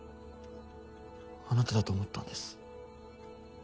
あなただと思ったんです。